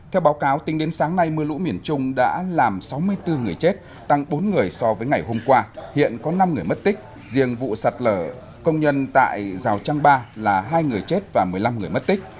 theo báo cáo tính đến sáng nay mưa lũ miền trung đã làm sáu mươi bốn người chết tăng bốn người so với ngày hôm qua hiện có năm người mất tích riêng vụ sạt lở công nhân tại rào trăng ba là hai người chết và một mươi năm người mất tích